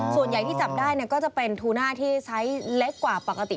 ส่วนใหญ่ที่จับได้ก็จะเป็นทูน่าที่ใช้เล็กกว่าปกติ